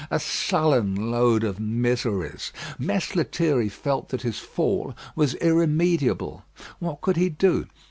A sullen load of miseries! Mess Lethierry felt that his fall was irremediable. What could he do?